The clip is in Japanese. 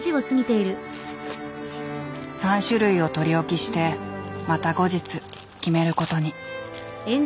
３種類を取り置きしてまた後日決めることに。